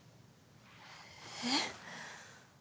えっ？